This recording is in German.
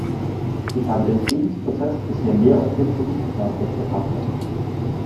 Ich habe den Friedensprozess bisher mehr unter dem politischen Aspekt betrachtet.